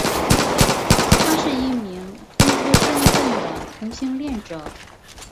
他是一名公开身份的同性恋者。